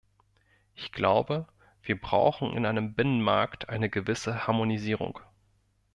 Ich glaube, wir brauchen in einem Binnenmarkt eine gewisse Harmonisierung.